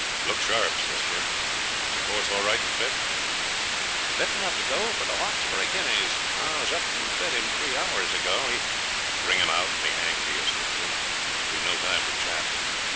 'Look sharp,' says Jim. 'Is the horse all right and fit?' 'Fit enough to go for the Hawkesbury Guineas. I was up and fed him three hours ago. He's ' 'Bring him out, and be hanged to you,' says Jim; 'we've no time for chat.'